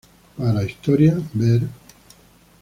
Para historia, ver